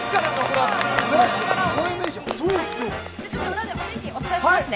裏でお天気お伝えします。